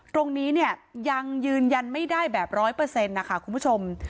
ตรงนี้เนี่ยยังยืนยันไม่ได้แบบ๑๐๐นะคะคุณผู้ชม